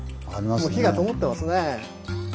もう火がともってますね。